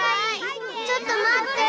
ちょっとまって。